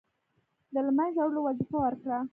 د له منځه وړلو وظیفه ورکړه.